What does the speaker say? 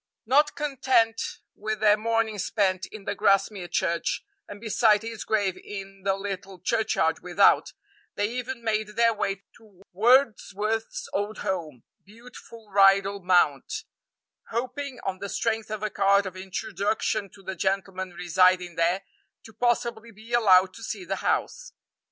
Not content with their morning spent in the Grasmere Church, and beside his grave in the little churchyard without, they even made their way to Wordsworth's old home beautiful Rydal Mount hoping, on the strength of a card of introduction to the gentleman residing there, to possibly be allowed to see the house.